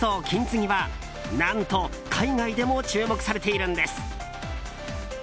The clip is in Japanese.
金継ぎは何と、海外でも注目されているんです。